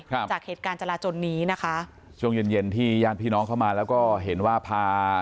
ครับจากเหตุการณ์จราจนนี้นะคะช่วงเย็นเย็นที่ญาติพี่น้องเข้ามาแล้วก็เห็นว่าพา